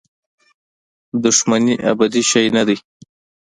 دښمني ابدي شی نه دی.